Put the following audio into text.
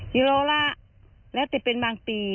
กิโลละแล้วแต่เป็นบางปี